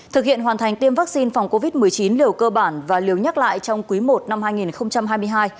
thực hiện hoàn thành tiêm vaccine phòng covid một mươi chín liều cơ bản và liều nhắc lại trong quý i năm hai nghìn hai mươi hai